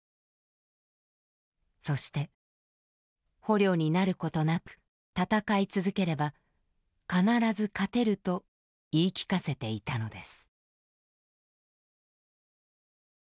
そして捕虜になることなく戦い続ければ必ず勝てると言い聞かせていたのです。